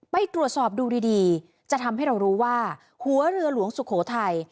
ไปตรวจสอบดูดีจะทำให้เรารู้ว่าหัวเรือหลวงสุโขทัย